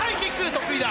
得意だ。